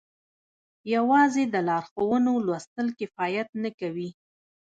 يوازې د لارښوونو لوستل کفايت نه کوي.